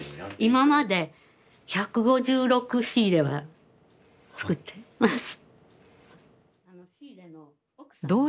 今まで１５６シーレは作ってます。